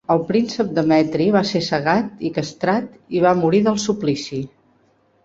El príncep Demetri va ser cegat i castrat i va morir del suplici.